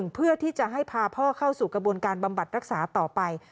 เพื่อที่จะให้พาพ่อเข้าสู่กระบวนการบำบัดรักษาต่อไป